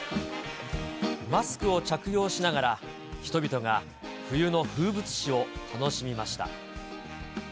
マスクを着用しながら、人々が冬の風物詩を楽しみました。